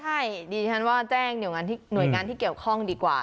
ใช่ดิฉันว่าแจ้งหน่วยงานที่เกี่ยวข้องดีกว่า